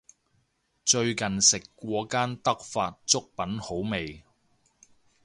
最近食過間德發粥品好味